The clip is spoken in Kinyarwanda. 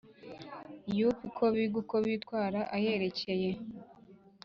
U P uko biga uko bitwara ayerekeye